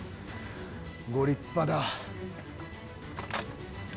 ご立派だ。